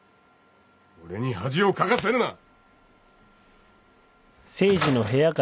俺に恥をかかせるな。